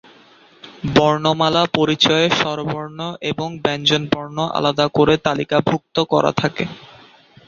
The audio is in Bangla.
বর্ণমালা পরিচয়ে স্বরবর্ণ এবং ব্যঞ্জনবর্ণ আলাদা করে তালিকাভুক্ত করা থাকে।